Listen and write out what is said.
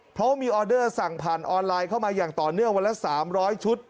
เพราะว่ามีออเดอร์สั่งผ่านออนไลน์เข้ามาอย่างต่อเนื่องวันละ๓๐๐ชุด